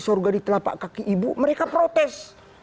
surga di telapak kaki ibu mereka protes